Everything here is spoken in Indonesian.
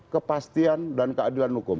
kepastian dan keadilan hukum